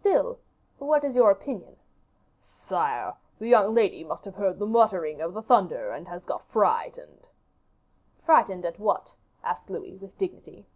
"Still, what is your opinion?" "Sire, the young lady must have heard the muttering of the thunder, and has got frightened." "Frightened at what?" asked Louis with dignity.